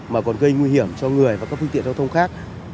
mà còn gây nguy hiểm cho người và các phương tiện giao thông khác